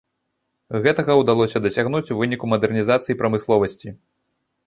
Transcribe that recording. Гэтага ўдалося дасягнуць у выніку мадэрнізацыі прамысловасці.